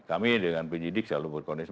kami dengan penyidik selalu berkondisi